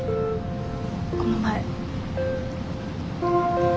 この前。